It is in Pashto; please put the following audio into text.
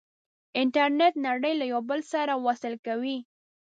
انټرنیټ نړۍ له یو بل سره وصل کوي.